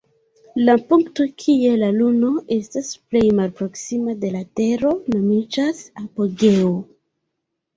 La punkto kie la luno estas plej malproksima de la tero nomiĝas "apogeo".